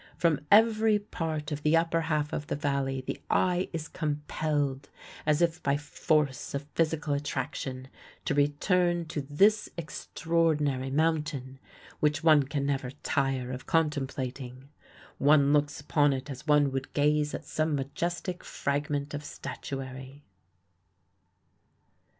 From every part of the upper half of the Valley the eye is compelled, as if by force of physical attraction, to return to this extraordinary mountain, which one can never tire of contemplating. One looks upon it as one would gaze at some majestic fragment of statuary."